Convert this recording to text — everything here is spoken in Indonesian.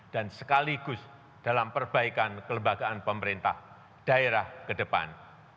dan sekaligus dalam perbaikan kelembagaan pemerintah daerah ke depan